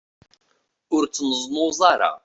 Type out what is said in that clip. Ur ttneẓnuẓ ara.